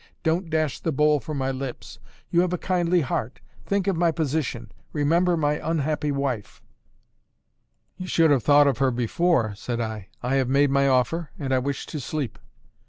Don't dash the bowl from my lips! You have a kindly heart. Think of my position, remember my unhappy wife." "You should have thought of her before," said I. "I have made my offer, and I wish to sleep."